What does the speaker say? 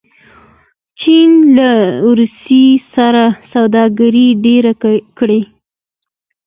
چین له روسیې سره سوداګري ډېره کړې.